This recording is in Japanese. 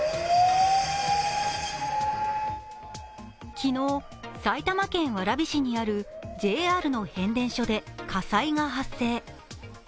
昨日、埼玉県蕨市にあるＪＲの変電所で火災が発生。